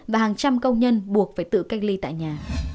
và hàng trăm công nhân buộc phải tự cách ly tại nhà